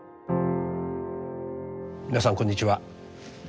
皆さんこんにちは。